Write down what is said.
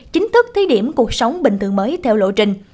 chính thức thi điểm cuộc sống bình thường mới theo lộ trình